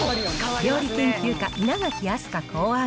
料理研究家、稲垣飛鳥考案！